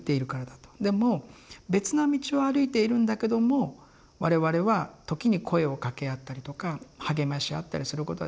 でも別な道を歩いているんだけども我々は時に声を掛け合ったりとか励まし合ったりすることはできると。